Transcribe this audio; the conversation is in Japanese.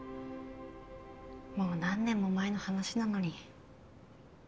もう何年も前の話なのに。